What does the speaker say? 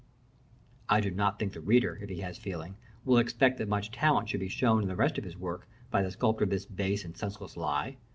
I do not think the reader, if he has feeling, will expect that much talent should be shown in the rest of his work, by the sculptor of this base and senseless lie.